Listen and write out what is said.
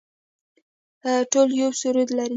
ټول یو سرود لري